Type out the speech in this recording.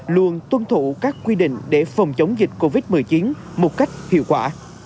luôn tuân thủ các quy định để phòng chống dịch covid một mươi chín một cách hiệu quả